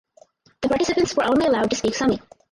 The participants were only allowed to speak Sami.